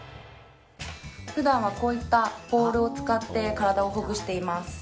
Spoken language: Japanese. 普段はこういったポールを使って体をほぐしています。